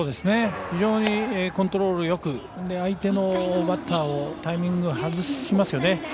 非常にコントロールよく相手のバッターをタイミング外しますよね。